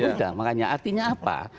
sudah makanya artinya apa